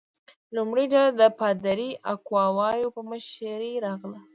لومړۍ ډله د پادري اکواویوا په مشرۍ راغله.